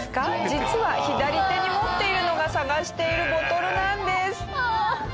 実は左手に持っているのが探しているボトルなんです。